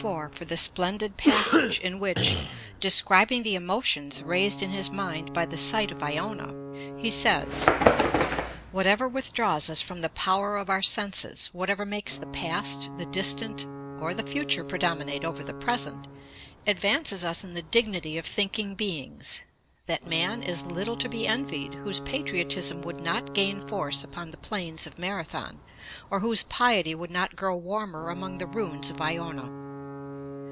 334 for the splendid passage in which, describing the emotions raised in his mind by the sight of Iona, he says: 'Whatever withdraws us from the power of our senses, whatever makes the past, the distant, or the future predominate over the present, advances us in the dignity of thinking beings.... That man is little to be envied whose patriotism would not gain force upon the plains of Marathon, or whose piety would not grow warmer among the ruins of Iona.'